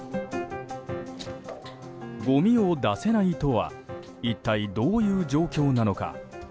ごみを出せないとは一体どういう状況なのか。